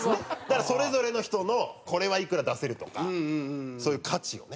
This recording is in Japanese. だからそれぞれの人のこれはいくら出せるとかそういう価値をね。